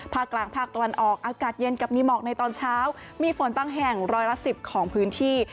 ภาคกลางภาคตะวันออกอากาศเย็นกับมีหมอกในตอนเช้ามีฝนบางแห่งร้อยละ๑๐ของพื้นที่